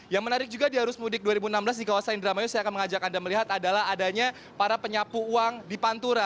yang menarik juga di arus mudik dua ribu enam belas di kawasan indramayu saya akan mengajak anda melihat adalah adanya para penyapu uang di pantura